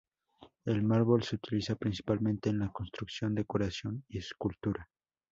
El mármol se utiliza principalmente en la construcción, decoración y escultura.